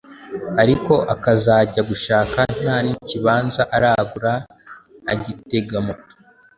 ariko akazajya gushaka nta n’ikibanza aragura, agitega moto,